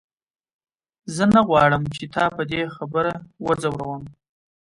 زه نه غواړم چې تا په دې خبره وځوروم.